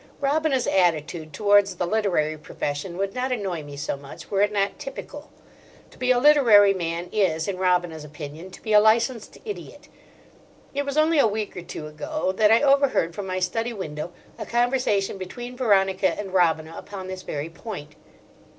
Robina's attitude towards the literary profession would not annoy me so much were it not typical. To be a literary man is, in Robina's opinion, to be a licensed idiot. It was only a week or two ago that I overheard from my study window a conversation between Veronica and Robina upon this very point.